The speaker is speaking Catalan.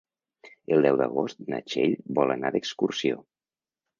El deu d'agost na Txell vol anar d'excursió.